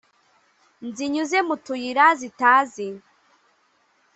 nzinyuze mu tuyira zitazi.